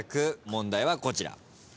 問題はこちら。